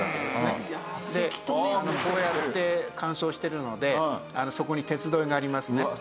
でこうやって乾燥してるのでそこに鉄樋がありますね。